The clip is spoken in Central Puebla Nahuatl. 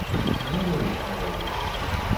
Ne nimitspaleuis